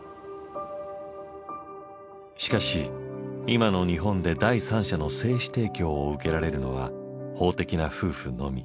しかし今の日本で第三者の精子提供を受けられるのは法的な夫婦のみ。